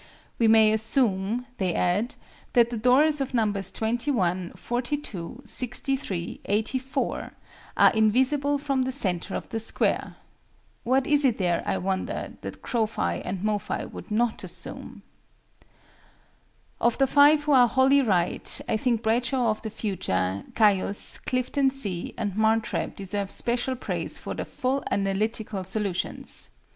"We may assume," they add, "that the doors of Nos. 21, 42, 63, 84, are invisible from the centre of the Square"! What is there, I wonder, that CROPHI AND MOPHI would not assume? Of the five who are wholly right, I think BRADSHAW OF THE FUTURE, CAIUS, CLIFTON C., and MARTREB deserve special praise for their full analytical solutions.